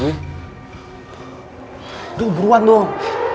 aduh buruan dong